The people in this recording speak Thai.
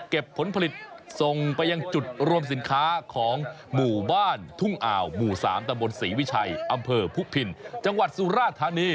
ผลผลิตส่งไปยังจุดรวมสินค้าของหมู่บ้านทุ่งอ่าวหมู่๓ตะบนศรีวิชัยอำเภอพุพินจังหวัดสุราธานี